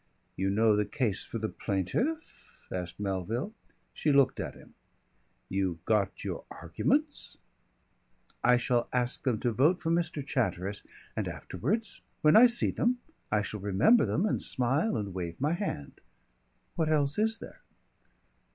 "You know the case for the plaintiff?" asked Melville. She looked at him. "You've got your arguments?" "I shall ask them to vote for Mr. Chatteris, and afterwards when I see them I shall remember them and smile and wave my hand. What else is there?"